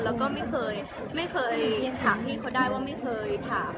แล้วก็ไม่เคยไม่เคยถามพี่เขาได้ว่าไม่เคยถาม